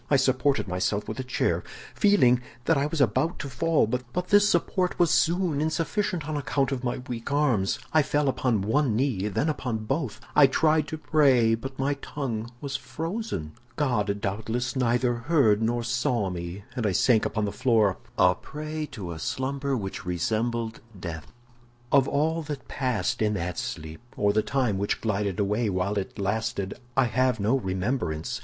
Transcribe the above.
I supported myself by a chair, feeling that I was about to fall, but this support was soon insufficient on account of my weak arms. I fell upon one knee, then upon both. I tried to pray, but my tongue was frozen. God doubtless neither heard nor saw me, and I sank upon the floor a prey to a slumber which resembled death. "Of all that passed in that sleep, or the time which glided away while it lasted, I have no remembrance.